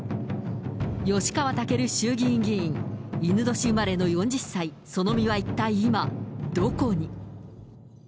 吉川赳衆議院議員、いぬ年生まれの４０歳、その身は一体今どこに。